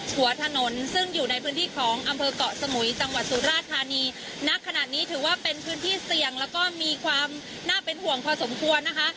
หัวถนนซึ่งอยู่ในพื้นที่ของอำเภอกเกาะสมุยจังหวัดสุราธานีนักขนาดนี้ถือว่าเป็นพื้นที่เสี่ยงแล้วก็มีความน่าเป็นห่วงพอสมควรนะคะ